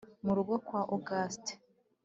murugo kwa august